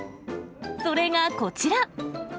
それがこちら。